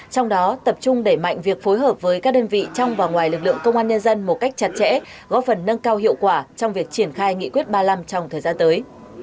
trong đó tập trung đẩy mạnh việc phối hợp với các đơn vị trong và ngoài lực lượng công an nhân dân một cách chặt chẽ góp phần nâng cao hiệu quả trong việc triển khai nghị quyết ba mươi năm trong thời gian tới